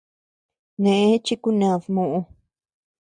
Neʼë chi kuned muʼu.